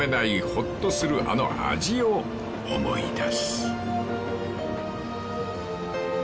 ほっとするあの味を思い出す］